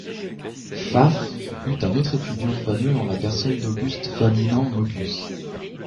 Pfaff eut un autre étudiant fameux en la personne d'August Ferdinand Möbius.